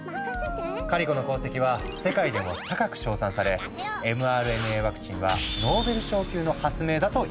カリコの功績は世界でも高く賞賛されｍＲＮＡワクチンは「ノーベル賞級の発明！」だといわれている。